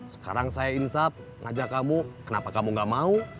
sekarang saya insap ngajak kamu kenapa kamu gak mau